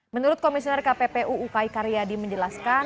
menurut komisioner kppu ukay karyadi menjelaskan